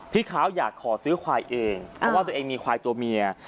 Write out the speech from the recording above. พี่เขาอยากขอซื้อควายเองเพราะว่าตัวเองมีควายตัวเมีย